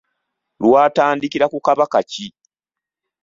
Lwatandikira ku Kabaka ki?